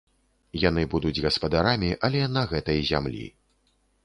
Яны будуць гаспадарамі, але на гэтай зямлі.